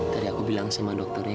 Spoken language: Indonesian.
tadi aku bilang sama dokternya